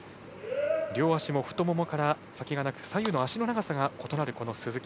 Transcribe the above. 両足も太ももから先がなくて左右の足の長さが異なる鈴木。